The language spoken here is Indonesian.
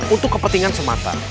untuk kepentingan semata